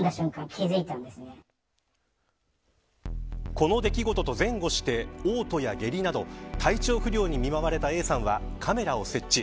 この出来事と前後して嘔吐や下痢など体調不良に見舞われたＡさんはカメラを設置。